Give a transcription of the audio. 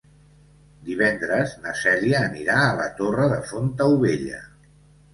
Divendres na Cèlia anirà a la Torre de Fontaubella.